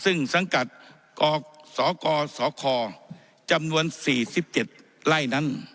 ซึ่งสังกัดกสกสคจำนวน๔๗ไร่นั้น